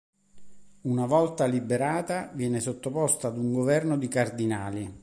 Una volta liberata, viene sottoposta ad un governo di cardinali.